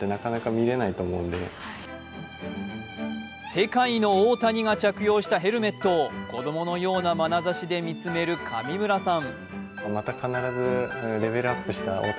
世界の大谷が着用したヘルメットを子供のようなまなざしで見つめる上村さん。